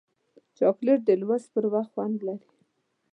چاکلېټ د لوست پر وخت خوند لري.